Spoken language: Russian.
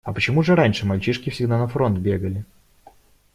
А почему же раньше мальчишки всегда на фронт бегали?